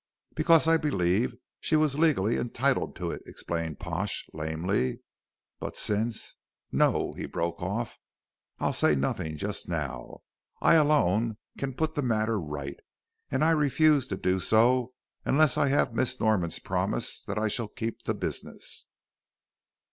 "Because I believed she was legally entitled to it," explained Pash, lamely; "but since no," he broke off, "I'll say nothing just now. I alone can put the matter right, and I refuse to do so unless I have Miss Norman's promise that I shall keep the business."